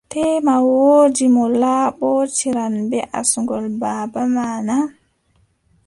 Teema woodi mo laɓɓotiran bee asngol baaba ma na ?